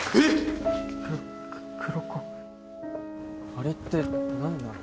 あれって何なの？